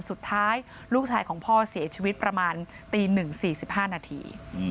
สุดท้ายลูกชายของพ่อเสียชีวิตประมาณตี๑๔๕นาที